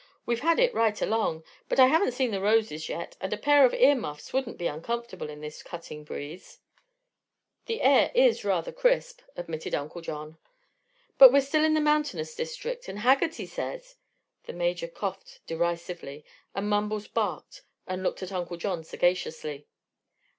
"We've had it right along. But I haven't seen the roses yet, and a pair of ear muffs wouldn't be uncomfortable in this cutting breeze." "The air is rather crisp," admitted Uncle John. "But we're still in the mountainous district, and Haggerty says " The Major coughed derisively and Mumbles barked and looked at Uncle John sagaciously.